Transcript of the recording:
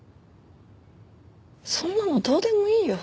そんなのどうでもいいよ。